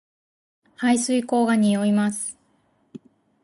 排水溝が臭います